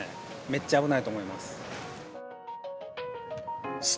めっちゃ危ないと思います。